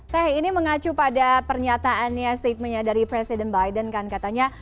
teh ini mengacu pada pernyataannya statementnya dari presiden biden kan katanya